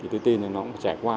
tôi tin là nó sẽ trải qua